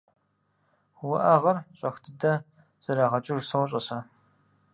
- Уӏэгъэр щӏэх дыдэ зэрагъэкӏыж сощӏэ сэ.